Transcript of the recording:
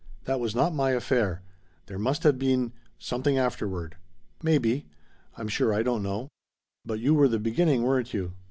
"That was not my affair. There must have been something afterward." "Maybe. I'm sure I don't know. But you were the beginning, weren't you?"